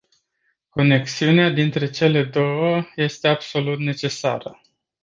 Conexiunea dintre cele două este absolut necesară.